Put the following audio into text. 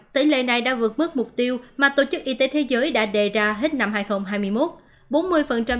tỷ lệ này đã vượt bước mục tiêu mà tổ chức y tế thế giới đã đề ra hết năm hai nghìn hai mươi một